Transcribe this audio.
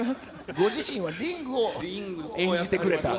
ご自身はリングを演じてくれた。